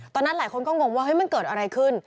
ตอนนั้นหลายคนก็งงว่าเฮ้ยมันเกิดอะไรขึ้น